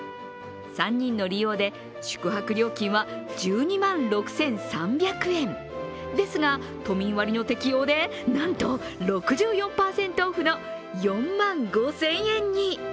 ３人の利用で宿泊料金は１２万６３００円ですが、都民割の適用でなんと６４％オフの４万５０００円に。